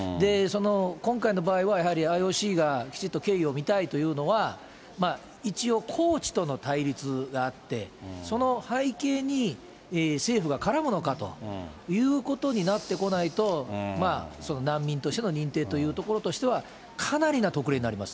今回の場合はやはり、ＩＯＣがきちっと経緯を見たいというのは、一応、コーチとの対立があって、その背景に政府が絡むのかということになってこないと、難民としての認定というところとしては、かなりな特例になります